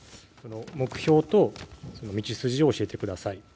目標と道筋を教えてください。